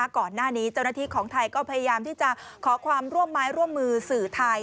ก่อนหน้านี้เจ้าหน้าที่ของไทยก็พยายามที่จะขอความร่วมไม้ร่วมมือสื่อไทย